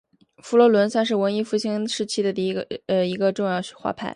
佛罗伦萨画派是文艺复兴时期第一个重要的画派。